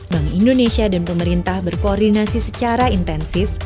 bank indonesia dan pemerintah berkoordinasi secara intensif